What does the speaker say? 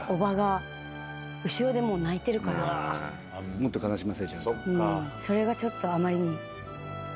もっと悲しませちゃう。